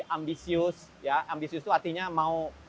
ambisius ambisius itu artinya